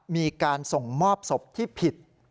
มีการส่งมอบศพที่ผิด